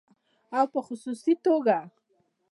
او په خصوصي توګه